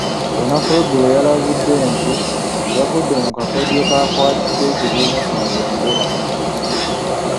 Olunaku lweggulo yalabudde nti yagudde mu kakodyo kakwatidde ekibiina kino bbendera.